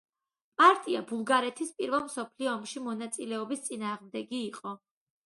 პარტია ბულგარეთის პირველ მსოფლიო ომში მონაწილეობის წინააღმდეგი იყო.